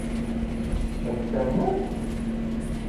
Ad tt-amnent?